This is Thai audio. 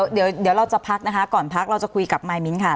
เดี๋ยวเราจะพักนะคะก่อนพักเราจะคุยกับมายมิ้นค่ะ